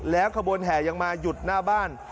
แล้วขบวนแห่ยังมาหยุดหน้าบ้าน